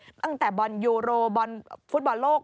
ตั้งแต่บอลยูโรบอลฟุตบอลโลก